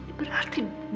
nah kamu lagi equivalen